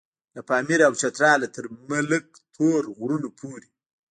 له پاميره او چتراله تر ملک تور غرونو پورې.